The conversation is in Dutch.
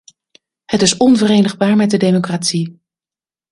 Het is onverenigbaar met de democratie.